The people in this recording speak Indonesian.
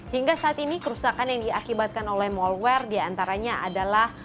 hingga saat ini kerusakan yang diakibatkan oleh malware diantaranya adalah